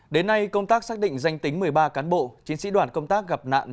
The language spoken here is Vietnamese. đến nay công tác xác định danh tính một mươi ba cán bộ chiến sĩ đoàn công tác gặp nạn